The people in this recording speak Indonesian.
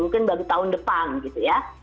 mungkin bagi tahun depan gitu ya